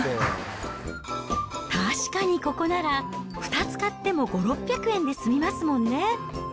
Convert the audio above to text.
確かにここなら、２つ買っても５、６００円で済みますもんね。